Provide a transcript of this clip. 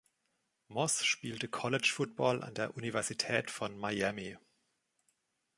Moss spielte College-Football an der Universität von Miami.